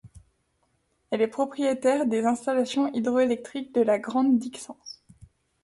Elle est propriétaire des installations hydroélectriques de la Grande Dixence.